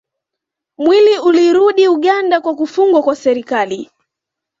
Mwili ulirudi Uganda kwa kufungwa kwa serikali